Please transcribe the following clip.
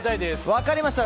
分かりました。